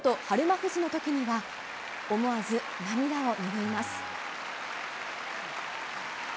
富士のときには、思わず涙をぬぐいます。